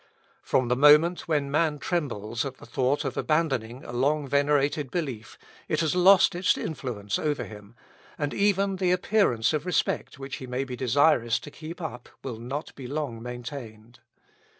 From the moment when man trembles at the thought of abandoning a long venerated belief, it has lost its influence over him, and even the appearance of respect which he may be desirous to keep up will not be long maintained.